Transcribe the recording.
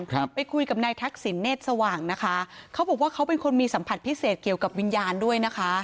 ครับไปคุยกับนายทักษิณเนธสว่างนะคะเขาบอกว่าเขาเป็นคนมีสัมผัสพิเศษเกี่ยวกับวิญญาณด้วยนะคะ